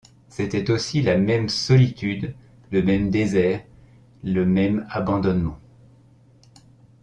C’était aussi la même solitude, le même désert, le même abandonnement.